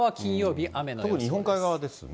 特に日本海側ですね。